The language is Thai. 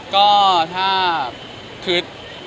ก็ถ้าคือ